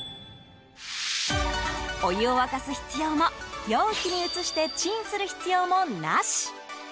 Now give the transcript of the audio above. お湯を沸かす必要も容器に移してチンする必要もなし。